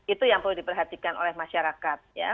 itu yang perlu diperhatikan oleh masyarakat ya